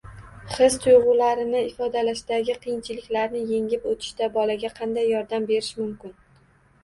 His-tuyg‘ularini ifodalashdagi qiyinchiliklarni yengib o‘tishda bolaga qanday yordam berish mumkin?